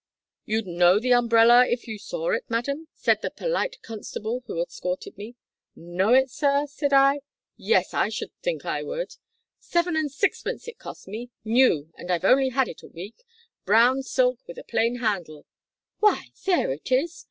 "`You'd know the umbrellar if you saw it, madam,' said the polite constable who escorted me. "`Know it, sir!' said I, `yes, I should think I would. Seven and sixpence it cost me new, and I've only had it a week brown silk with a plain handle why, there it is!'